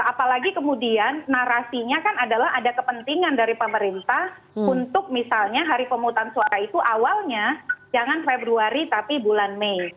apalagi kemudian narasinya kan adalah ada kepentingan dari pemerintah untuk misalnya hari pemutusan suara itu awalnya jangan februari tapi bulan mei